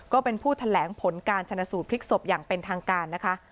ก็เป็นผู้แถลงผลการชนะสูตรพลิกศพอย่างเป็นทางการนะคะ